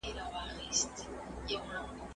طبیعي سرچینې باید په مسؤلانه او هوښیار ډول وکارول شي.